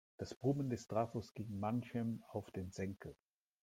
Das Brummen des Trafos ging manchem auf den Senkel.